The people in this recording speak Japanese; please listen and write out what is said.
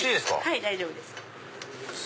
はい大丈夫です。